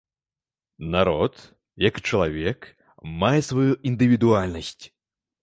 Народ, як і чалавек, мае сваю індывідуальнасць.